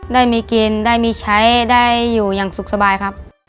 ได้มีกินได้มีใช้ได้อยู่อย่างสุขสบายครับ